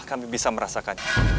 kami bisa merasakannya